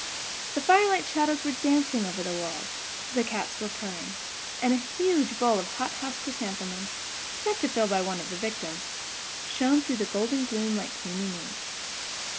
The firelight shadows were dancing over the walls; the cats were purring; and a huge bowl of hothouse chrysanthemums, sent to Phil by one of the victims, shone through the golden gloom like creamy moons.